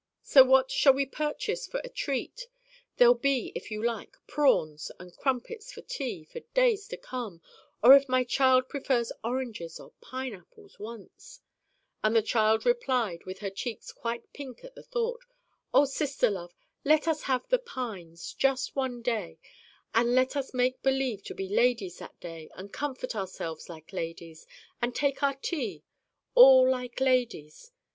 So what shall we purchase for a treat? There'll be, if you like, prawns and crumpets for tea, for days to come or if my Child prefers oranges or pineapples once " And the child replied with her cheeks quite pink at the thought, "O Sister love, let us have the pines, just one day, and let us make believe to be ladies that day, and comport ourselves like ladies, and take our tea all like ladies."